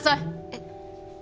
えっ。